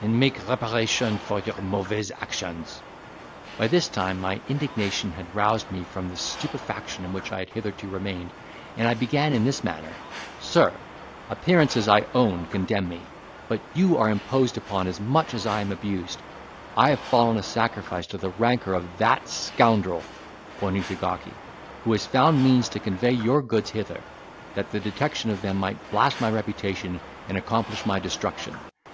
—and make reparation for your mauvaise actions." By this time my indignation had roused me from the stupefaction in which I had hitherto remained and I began in this manner:—"Sir, appearances I own condemn me; but you are imposed upon as much as I am abused: I have fallen a sacrifice to the rancour of that scoundrel" (pointing to Gawky) "who has found means to convey your goods hither, that the detection of them might blast my reputation, and accomplish my destruction.